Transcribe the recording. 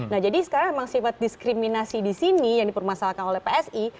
nah jadi sekarang memang sifat diskriminasi di sini yang dipermasalahkan oleh psi